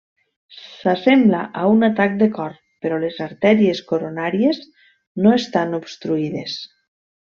S'assembla a un atac de cor, però les artèries coronàries no estan obstruïdes.